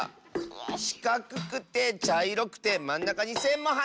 しかくくてちゃいろくてまんなかにせんもはいってる！